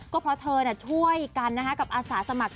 ก็เพราะเธอช่วยกันกับอาสาสมัคร